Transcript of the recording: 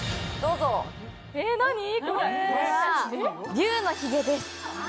龍のひげです